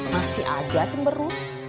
masih agak cemberut